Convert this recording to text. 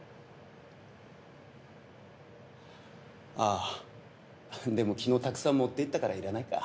あでも昨日たくさん持っていったからいらないか。